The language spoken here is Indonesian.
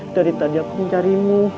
dari tadi aku mencarimu